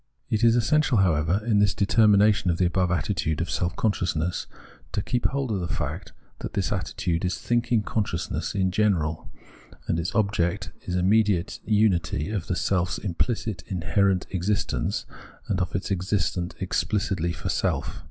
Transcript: It is essential, however, in this determination of the above attitude of self consciousness to keep hold of the fact that this attitude is thinking consciousness in general, that its object is immediate unity of the self's im phcit, inherent existence, and of its existence explicitly for self.